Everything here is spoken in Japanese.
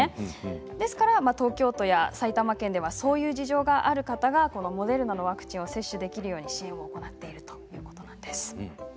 ですから東京都や埼玉県ではそういう事情がある方がモデルのワクチンを接種できるような支援を始めているということなんです。